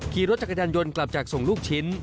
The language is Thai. ขี่รถจักรยานยนต์กลับจากส่งลูกชิ้น